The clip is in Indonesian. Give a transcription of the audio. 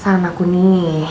salah aku nih